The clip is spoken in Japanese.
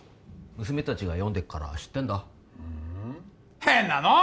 娘達が読んでっから知ってんだふん変なの！